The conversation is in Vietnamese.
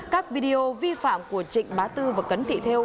các video vi phạm của trịnh bá tư và cấn thị theo